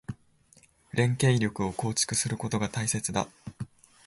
連携力を構築することが大切だ。